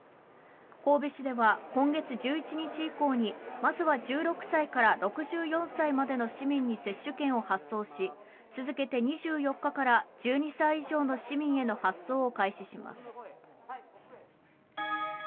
神戸市では今月１１日以降にまずは１６歳から６４歳までの市民に接種券を発送し続けて２４日から１２歳以上の市民への発送を開始します。